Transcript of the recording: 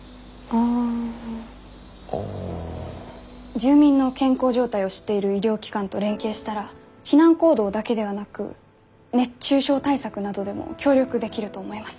住民の健康状態を知っている医療機関と連携したら避難行動だけではなく熱中症対策などでも協力できると思います。